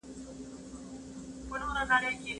پښتو به په مصنوعي ځیرکتیا کې خپله مانا ومومي.